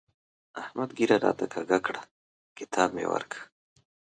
احمد ږيره راته کږه کړه؛ کتاب مې ورکړ.